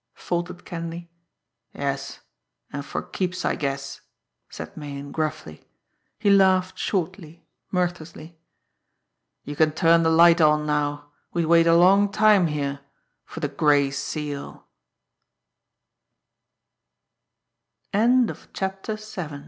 faltered Kenleigh. "Yes and for keeps, I guess," said Meighan gruffly. He laughed shortly, mirthlessly. "You can turn the light on now; we'd wait a long time here for the Gray Se